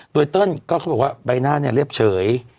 โดยเต้นก็เขาบอกว่าใบหน้ารีบเฉย